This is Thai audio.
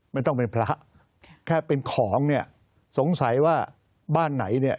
ไม่ต้องเป็นพระแค่เป็นของเนี่ยสงสัยว่าบ้านไหนเนี่ย